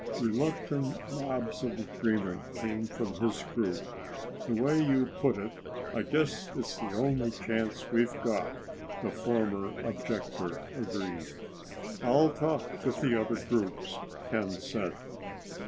Reluctant nods of agreement came from his group. "The way you put it, I guess it's the only chance we've got," the former objector agreed. "I'll talk with the other groups," Ken said.